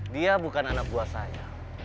dia bukan anak buah saya